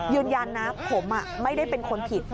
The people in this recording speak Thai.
ยืนยันนะผมไม่ได้เป็นคนผิด